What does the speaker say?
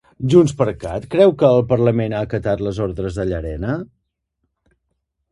JxCat creu que el Parlament ha acatat les ordres de Llarena?